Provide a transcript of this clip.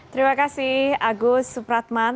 terima kasih agus supratman